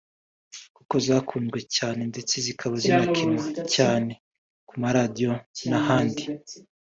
kuko zakunzwe cyane ndetse zikaba zinakinwa cyane ku maradiyo n’ahandi